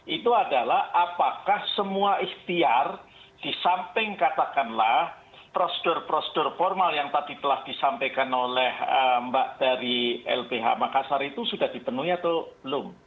itu adalah apakah semua ikhtiar di samping katakanlah prosedur prosedur formal yang tadi telah disampaikan oleh mbak dari lbh makassar itu sudah dipenuhi atau belum